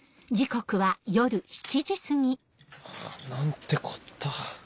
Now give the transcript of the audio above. ハァ何てこった。